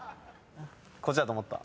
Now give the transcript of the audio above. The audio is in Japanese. こっちだと思った？